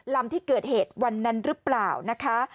ลำที่เกิดเหตุวันนั้นหรือเปล่านะคะ